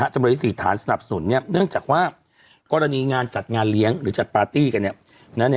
จำเลยที่๔ฐานสนับสนุนเนื่องจากว่ากรณีงานจัดงานเลี้ยงหรือจัดปาร์ตี้กัน